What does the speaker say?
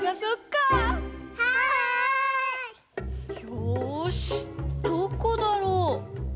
よしどこだろう？